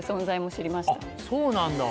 あっそうなんだ。